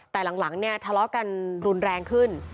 แต่หลังเนี่ยทะเลาะกันรุนแรงขึ้น